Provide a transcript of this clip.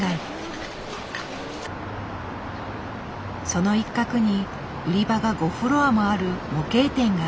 その一角に売り場が５フロアもある模型店がある。